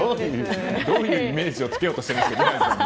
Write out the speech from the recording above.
どういうイメージをつけようとしているんですか。